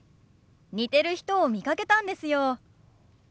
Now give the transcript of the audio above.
似てる人を見かけたんですよ。